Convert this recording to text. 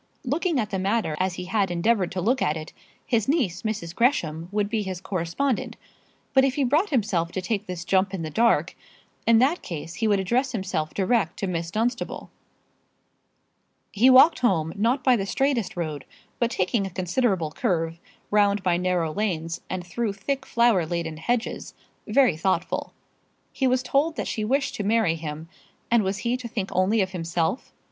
Looking at the matter as he had endeavoured to look at it, his niece, Mrs. Gresham, would be his correspondent; but if he brought himself to take this jump in the dark, in that case he would address himself direct to Miss Dunstable. He walked home, not by the straightest road, but taking a considerable curve, round by narrow lanes, and through thick flower laden hedges, very thoughtful. He was told that she wished to marry him; and was he to think only of himself?